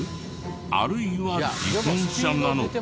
あるいは自転車なのか？